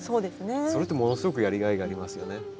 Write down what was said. それってものすごくやりがいがありますよね。